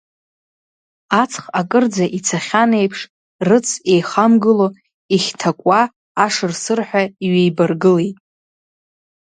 Аҵх акырӡа ицахьан еиԥш, рыц еихамгыло, ихьҭакуа, ашыр-сырҳәа иҩеибаргылеит.